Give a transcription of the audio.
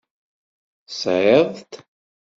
Tesɛiḍ-t.